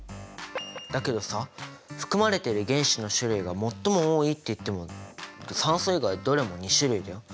だけどさ含まれている原子の種類が最も多いって言っても酸素以外どれも２種類だよ。